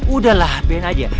udahlah bn aja